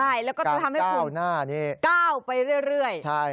ใช่แล้วก็จะทำให้คุณก้าวไปเรื่อย